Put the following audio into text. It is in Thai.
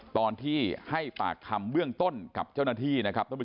ตอนที่ให้ปากคำเบื้องต้นกับเจ้าหน้าที่นะครับ